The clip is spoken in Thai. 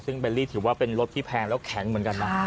ซึ่งเบลลี่ถือว่าเป็นรถที่แพงแล้วแข็งเหมือนกันนะ